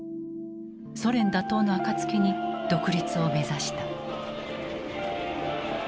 ソ連打倒のあかつきに独立を目指した。